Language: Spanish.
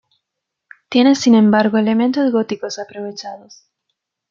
Tiene sin embargo, elementos góticos aprovechados.